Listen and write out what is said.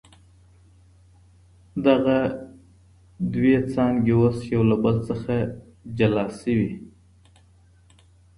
دغه دوه څانګي اوس يو له بل څخه جلا سوې.